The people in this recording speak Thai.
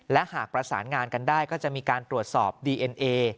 และหากประสานงานกันได้ก็จะมีการตรวจสอบดีเอ็นเอ